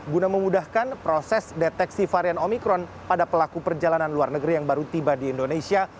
guna memudahkan proses deteksi varian omikron pada pelaku perjalanan luar negeri yang baru tiba di indonesia